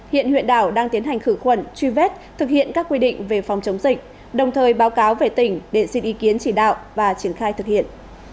hiện huyện đảo đang tiến hành khử khuẩn truy vết thực hiện các quy định về phòng chống dịch đồng thời báo cáo về tỉnh để xin ý kiến chỉ đạo và triển khai thực hiện